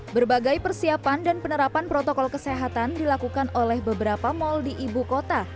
berbagai persiapan dan penerapan protokol kesehatan dilakukan oleh beberapa mal di ibu kota